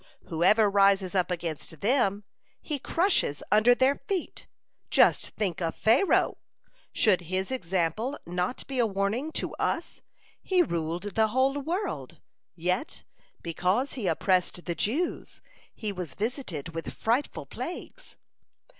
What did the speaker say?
Whoever rises up against them, He crushes under their feet. Just think of Pharaoh! Should his example not be a warning to us? He ruled the whole world, yet, because he oppressed the Jews, he was visited with frightful plagues.